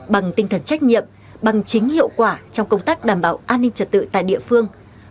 bằng tinh thần trách nhiệm bằng chính hiệu quả trong công tác đảm bảo an ninh trật tự tại địa phương